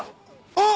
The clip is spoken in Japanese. あっ！